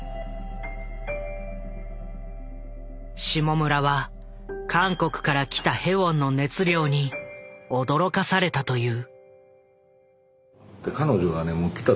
下村は韓国から来たヘウォンの熱量に驚かされたという。